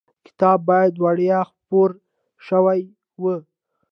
کتاب باید وړیا خپور شوی وای.